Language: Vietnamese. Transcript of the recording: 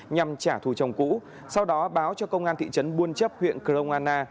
nhằm trả thù chồng cũ sau đó báo cho công an thị trấn buôn chấp huyện kroana